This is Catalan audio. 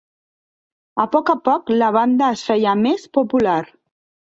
A poc a poc, la banda es feia més popular.